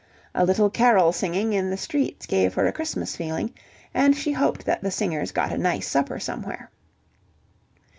A little carol singing in the streets gave her a Christmas feeling, and she hoped that the singers got a nice supper somewhere.